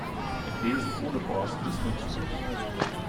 Ein Besen ohne Borsten ist nutzlos.